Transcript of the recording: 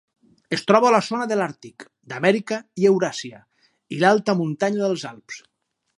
Es troba a la zona de l'àrtic, d'Amèrica i Euràsia, i l'alta muntanya dels Alps.